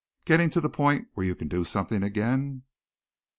Getting to the point where you can do something again?"